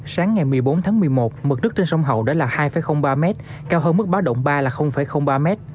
sáng ngày một mươi bốn tháng một mươi một mực nước trên sông hậu đã là hai ba m cao hơn mức báo động ba là ba m